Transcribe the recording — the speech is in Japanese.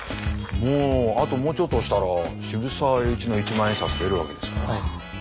もうあともうちょっとしたら渋沢栄一の一万円札出るわけですからね。